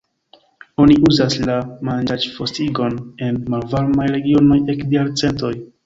Oni uzas la manĝaĵ-frostigon en malvarmaj regionoj ekde jarcentoj.